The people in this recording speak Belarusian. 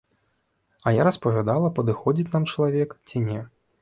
А я распавядала падыходзіць нам чалавек, ці не.